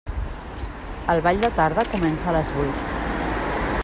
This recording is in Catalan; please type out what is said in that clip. El ball de tarda comença a les vuit.